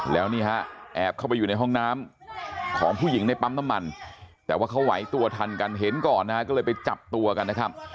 แล้วนี่ฮะแอบเข้าไปอยู่ในห้องน้ำของผู้หญิงในปั๊มน้ำมันแต่ว่าเขาไหวตัวทันกันเห็นก่อนนะฮะก็เลยไปจับตัวกันนะครับ